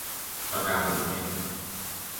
ปากกาหมึกแห้ง